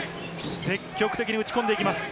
積極的に打ち込んできます。